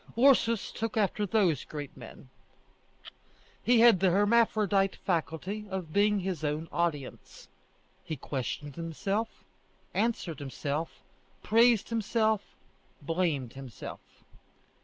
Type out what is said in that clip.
Ursus took after those great men. He had the hermaphrodite faculty of being his own audience. He questioned himself, answered himself, praised himself, blamed himself.